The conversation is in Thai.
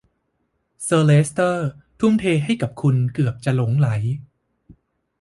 เซอร์เลสเตอร์ทุ่มเทให้กับคุณเกือบจะหลงใหล